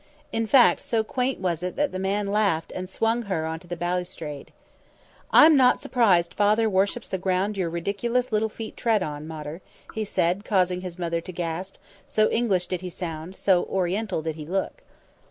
In fact, so quaint was it that the man laughed and swung her onto the balustrade. "I'm not surprised Father worships the ground your ridiculous little feet tread on, Mater," he said, causing his mother to gasp, so English did he sound, so Oriental did he look.